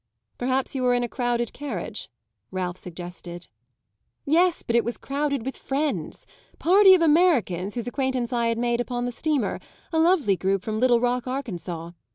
"Perhaps you were in a crowded carriage," Ralph suggested. "Yes, but it was crowded with friends party of Americans whose acquaintance I had made upon the steamer; a lovely group from Little Rock, Arkansas.